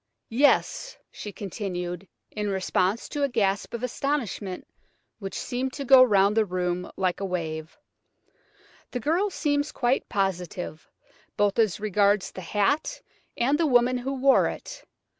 Yes!" she continued, in response to a gasp of astonishment which seemed to go round the room like a wave, "the girl seems quite positive, both as regards the hat and the woman who wore it.